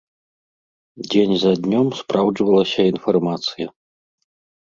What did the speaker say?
Дзень за днём спраўджвалася інфармацыя.